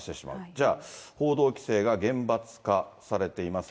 じゃあ、報道規制が厳罰化されています。